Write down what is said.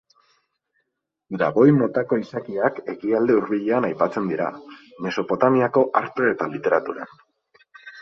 Dragoi-motako izakiak Ekialde Hurbilean aipatzen dira, Mesopotamiako arte eta literaturan.